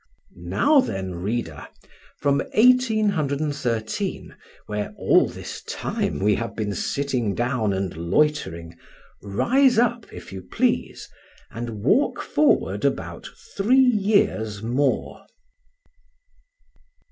Now then, reader, from 1813, where all this time we have been sitting down and loitering, rise up, if you please, and walk forward about three years more.